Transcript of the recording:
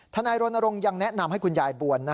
ทนายโรนโรงยังแนะนำให้คุณยายบวล